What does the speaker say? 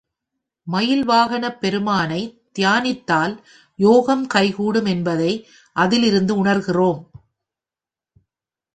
மயில் வாகனப் பெருமானைத்தியானித்தால் யோகம் கைகூடும் என்பதைஅதிலிருந்து உணர்கிறோம்.